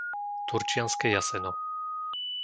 Turčianske Jaseno